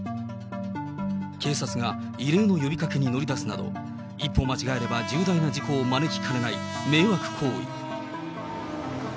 警察が異例の呼びかけに乗り出すなど、一歩間違えれば、重大な事故を招きかねない迷惑行為。